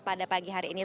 pada pagi hari ini